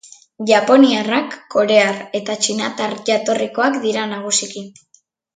Japoniarrak korear eta txinatar jatorrikoak dira nagusiki.